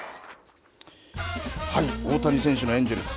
大谷選手のエンジェルス。